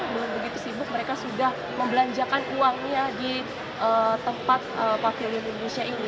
belum begitu sibuk mereka sudah membelanjakan uangnya di tempat pavilion indonesia ini